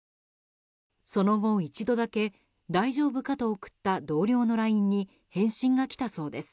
その後、一度だけ大丈夫か？と送った同僚のＬＩＮＥに返信がきたそうです。